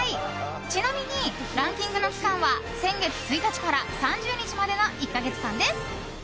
ちなみにランキングの期間は先月１日から３０日までの１か月間です。